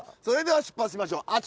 それでは出発しましょう。